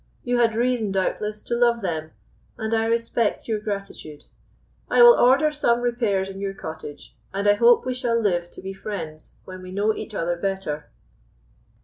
You had reason, doubtless, to love them, and I respect your gratitude. I will order some repairs in your cottage, and I hope we shall live to be friends when we know each other better."